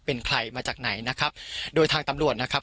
เป็นใครมาจากไหนนะครับโดยทางตำรวจนะครับ